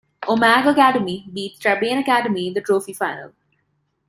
Omagh Academy beat Strabane Academy in the Trophy final.